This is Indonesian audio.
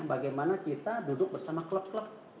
bagaimana kita duduk bersama klub klub